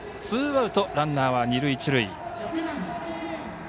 ツーアウト、ランナーは二塁一塁。